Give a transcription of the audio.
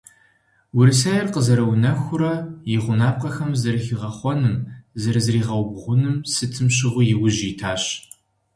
Урысейр къызэрыунэхурэ и гъунапкъэхэм зэрыхигъэхъуным, зэрызригъэубгъуным сытым щыгъуи яужь итащ.